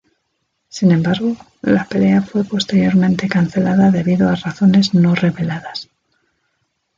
Sin embargo, la pelea fue posteriormente cancelada debido a razones no reveladas.